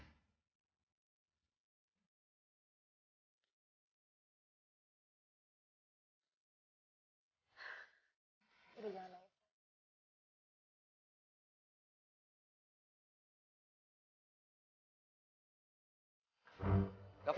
sampai jumpa lagi